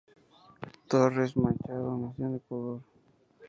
Torres-Machado nació en Ecuador.